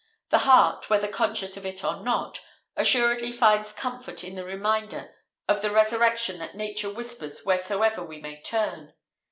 The heart, whether conscious of it or not, assuredly finds comfort in the reminder of the Resurrection that Nature whispers wheresoever we may turn.